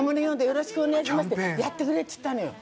よろしくお願いします」ってやってくれっつったのよ。